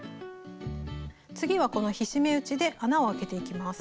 次はこの菱目打ちで穴をあけていきます。